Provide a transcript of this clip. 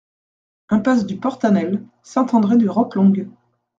Impasse du Portanel, Saint-André-de-Roquelongue